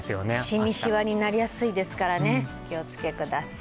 シミ・しわになりやすいですからね気をつけてください。